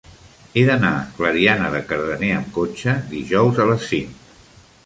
He d'anar a Clariana de Cardener amb cotxe dijous a les cinc.